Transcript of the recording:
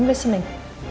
bagus aku dengar